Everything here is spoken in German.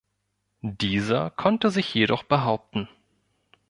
Dieser konnte sich jedoch behaupten.